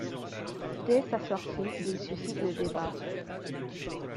Dès sa sortie, il suscite le débat.